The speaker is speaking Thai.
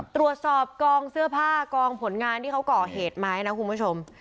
ตรวจสอบกองเสื้อผ้ากองผลงานที่เขาก่อเหตุไหมนะคุณผู้ชม